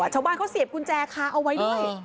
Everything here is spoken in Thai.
ชาวบ้านเขาเสียบกุญแจค้าเอาไว้ด้วย